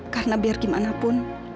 karena biar gimana pun